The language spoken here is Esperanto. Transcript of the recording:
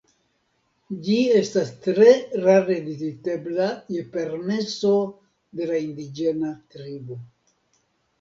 Ĝi estas tre rare vizitebla je permeso de la indiĝena tribo.